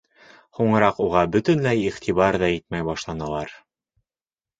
Һуңыраҡ уға бөтөнләй иғтибар ҙа итмәй башланылар.